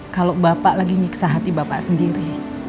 kalau bapak lagi nyiksa hati bapak sendiri